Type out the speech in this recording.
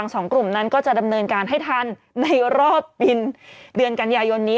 สองกลุ่มนั้นก็จะดำเนินการให้ทันในรอบบินเดือนกันยายนนี้